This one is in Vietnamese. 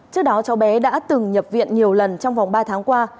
trước đó cháu bé đã từng nhập viện nhiều lần trong vòng ba tháng qua